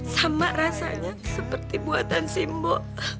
sama rasanya seperti buatan simbok